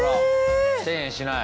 １０００円しない。